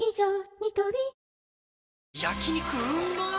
ニトリ焼肉うまっ